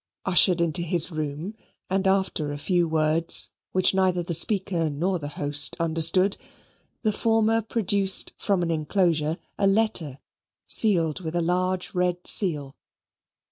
Ushered into his room, and after a few words, which neither the speaker nor the host understood, the former produced from an inclosure a letter sealed with a large red seal.